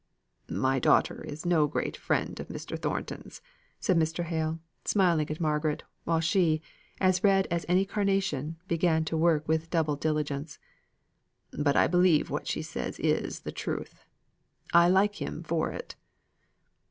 "My daughter is no great friend of Mr. Thornton's," said Mr. Hale, smiling at Margaret; while she, as red as any carnation, began to work with double diligence, "but I believe what she says is the truth. I like him for it."